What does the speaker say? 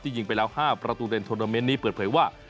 ที่ยิงไปแล้ว๕ประตูเดนทวนเตอร์เมนท์นี้เปิดเผยว่า